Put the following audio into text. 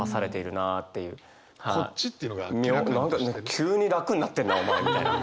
急に楽になってるなお前みたいな。